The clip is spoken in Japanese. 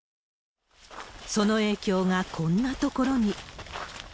その影響がこんなところに。